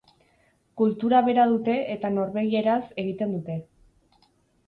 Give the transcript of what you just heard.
Kultura bera dute eta norvegieraz egiten dute.